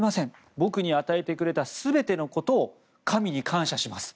僕に与えてくれた全てのことを神に感謝します。